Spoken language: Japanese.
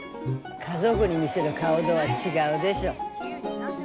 家族に見せる顔とは違うでしょ。